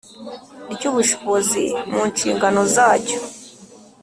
ry ubushobozi mu nshingano zacyo